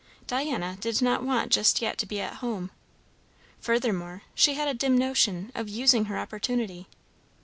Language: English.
Diana did not want just yet to be at home. Furthermore, she had a dim notion of using her opportunity.